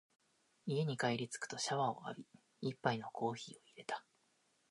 家に帰りつくとシャワーを浴び、一杯のコーヒーを淹れた。